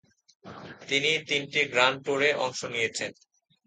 তিনি তিনটি গ্র্যান্ড ট্যুরে অংশ নিয়েছেন।